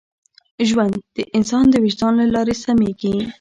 ژوند د انسان د وجدان له لارې سمېږي.